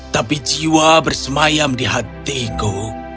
tapi jiwa bersemayam di hatiku